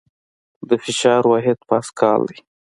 د فشار واحد پاسکال دی.